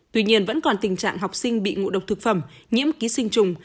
tuy nhiên vẫn còn tình trạng học sinh bị ngộ độc thực phẩm nhiễm ký sinh trùng